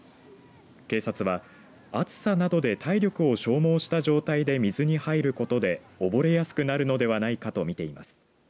警察は暑さなどで体力を消耗した状態で水に入ることで溺れやすくなるのではないかと見ています。